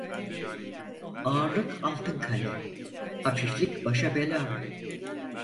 Ağırlık altın kale, hafiflik başa bela.